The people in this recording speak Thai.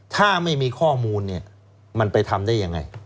ถ้าไม่มีข้อมูลเนี่ยมันไปทำได้ยังไง